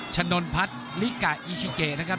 นนพัฒน์ลิกะอีชิเกนะครับ